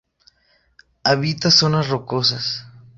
Habita zonas rocosas.